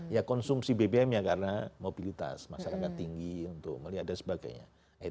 ya konsumsi bbm ya karena mobilitas masyarakat tinggi untuk melihat dan sebagainya